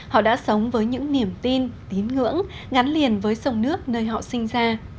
họ đã sống với những niềm tin tín ngưỡng gắn liền với sông nước nơi họ sinh ra